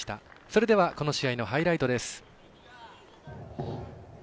それではこの試合のハイライトです。